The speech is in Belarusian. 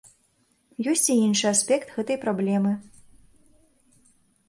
Есць і іншы аспект гэтай праблемы.